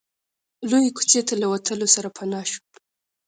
لويې کوڅې ته له وتلو سره پناه شو.